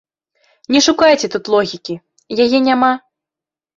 Не шукайце тут логікі, яе няма.